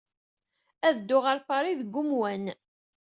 Ad dduɣ ɣer Paris deg wemwan.